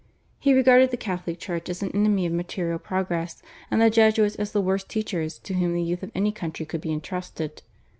He regarded the Catholic Church as an enemy of material progress, and the Jesuits as the worst teachers to whom the youth of any country could be entrusted.